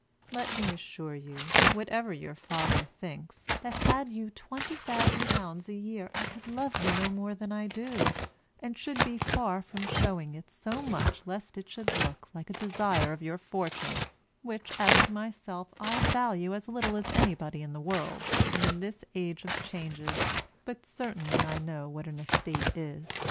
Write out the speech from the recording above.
Let me assure you (whatever your father thinks) that had you £20,000 a year I could love you no more than I do, and should be far from showing it so much lest it should look like a desire of your fortune, which, as to myself, I value as little as anybody in the world, and in this age of changes; but certainly I know what an estate is.